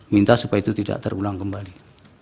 minta supaya itu tidak terulang kembali